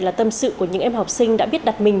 là tâm sự của những em học sinh đã biết đặt mình